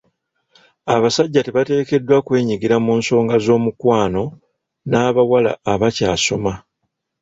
Abasajja tebateekeddwa kwenyigira mu nsonga z'omukwano n'abawala abakyasoma.